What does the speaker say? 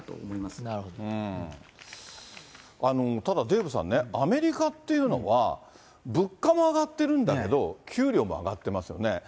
ただデーブさんね、アメリカっていうのは、物価も上がってるんだけど、給料も上がってますよね。